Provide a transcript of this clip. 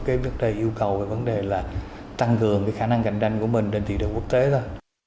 cái vấn đề yêu cầu về vấn đề là tăng cường cái khả năng cạnh tranh của mình trên thị trường quốc tế thôi